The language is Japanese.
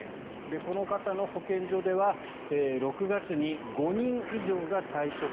この方の保健所では６月に５人以上が退職。